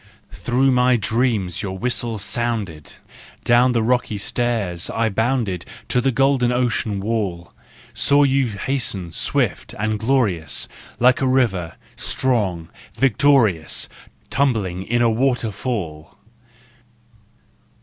APPENDIX 369 Through my dreams your whistle sounded, Down the rocky stairs I bounded To the golden ocean wall ; Saw you hasten, swift and glorious, Like a river, strong, victorious, Tumbling in a waterfall.